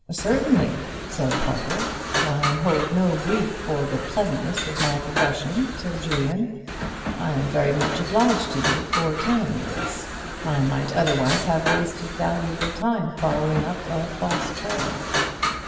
"Certainly," said Parker. "I hold no brief for the pleasantness of my profession, Sir Julian. I am very much obliged to you for telling me this. I might otherwise have wasted valuable time following up a false trail."